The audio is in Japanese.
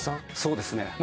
そうですね。